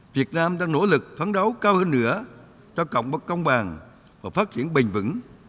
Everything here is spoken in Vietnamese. việt nam đang nỗ lực phán đấu cao hơn nữa cho cộng bậc công bằng và phát triển bền vững